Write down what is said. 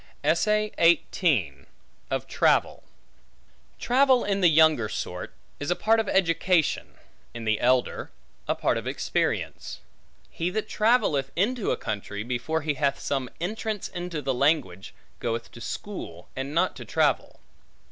Of Travel TRAVEL, in the younger sort, is a part of education, in the elder, a part of experience. He that travelleth into a country, before he hath some entrance into the language, goeth to school, and not to travel.